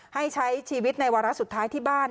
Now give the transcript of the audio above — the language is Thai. ให้ใช้ชีวิตในวาระสุดท้ายที่บ้าน